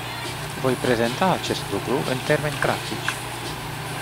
Voi prezenta acest lucru în termeni practici.